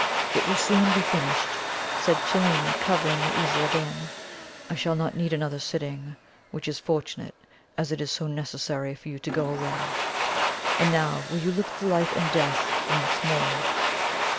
"It will soon be finished," said Cellini, covering the easel again; "I shall not need another sitting, which is fortunate, as it is so necessary for you to go away. And now will you look at the 'Life and Death' once more?"